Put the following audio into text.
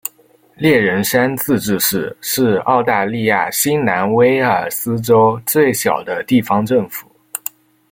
猎人山自治市是澳大利亚新南威尔斯州最小的地方政府。